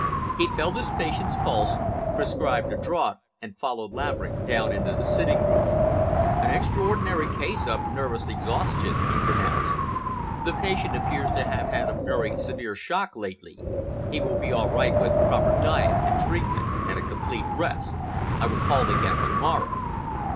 He felt his patient's pulse, prescribed a draught, and followed Laverick down into the sitting room. "An ordinary case of nervous exhaustion," he pronounced. "The patient appears to have had a very severe shock lately. He will be all right with proper diet and treatment, and a complete rest. I will call again to morrow."